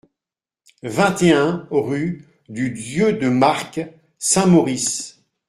vingt et un, rue du Dieu-de-Marcq, Saint-Maurice.